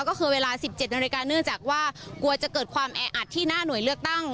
ก็คือเวลา๑๗นาฬิกาเนื่องจากว่ากลัวจะเกิดความแออัดที่หน้าหน่วยเลือกตั้ง